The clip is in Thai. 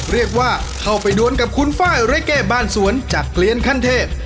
เรียกว่าเข้าไปดวนกับคุณไฟล์เรเก้บ้านสวนจากเกลียนขั้นเทพ